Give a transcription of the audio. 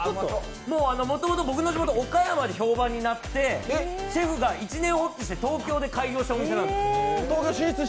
もともと僕の地元岡山で評判になって、シェフが一念発起して東京で開業したお店なんですよ。